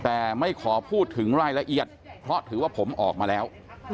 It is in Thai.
แต่ไม่ขอพูดถึงรายละเอียดเพราะถือว่าผมออกมาแล้ว